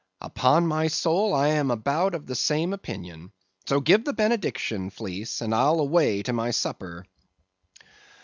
"Upon my soul, I am about of the same opinion; so give the benediction, Fleece, and I'll away to my supper."